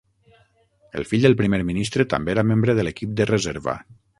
El fill del primer ministre també era membre de l'equip de reserva.